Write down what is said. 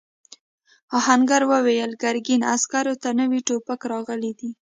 آهنګر وویل ګرګین عسکرو ته نوي ټوپک راغلی دی.